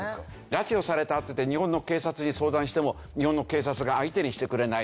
拉致をされたって言って日本の警察に相談しても日本の警察が相手にしてくれない。